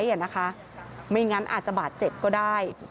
อย่างนั้นอาจจะบาดเจ็บก็ได้